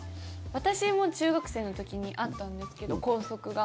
私も中学生の時にあったんですけど、校則が。